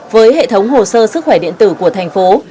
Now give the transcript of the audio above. với hệ thống hồ sơ sức khỏe điện tử của thành phố